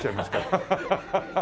ハハハハハ。